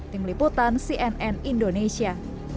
tim liputan cnn indonesia